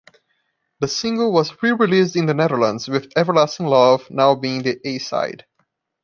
The single was rereleased in the Netherlands with "Everlasting Love" now being the a-side.